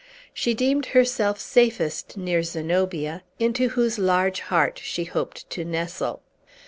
She deemed herself safest near Zenobia, into whose large heart she hoped to nestle.